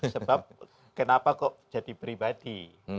sebab kenapa kok jadi pribadi